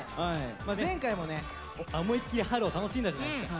前回もね思いっきり春を楽しんだじゃないですか。